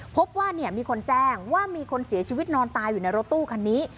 พบว่ามีคนแจ้งว่ามีคนเสียชีวิตนอนตายอยู่ในรถตู้คันนี้